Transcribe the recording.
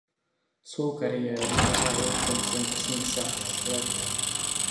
Svou kariéru zahájil koncem osmdesátých let.